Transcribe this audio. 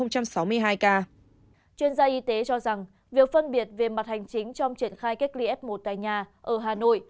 chuyên gia y tế cho rằng việc phân biệt về mặt hành chính trong triển khai cách ly f một tại nhà ở hà nội